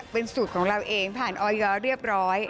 เป็นสูตรของเราเองผ่านออยเรียบร้อย